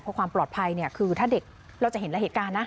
เพราะความปลอดภัยเนี่ยคือถ้าเด็กเราจะเห็นละเหตุการณ์นะ